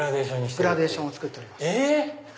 グラデーションを作っております。